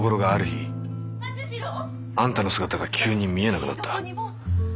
日あんたの姿が急に見えなくなった。